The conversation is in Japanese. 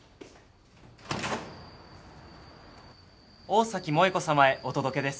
大崎萠子さまへお届けです。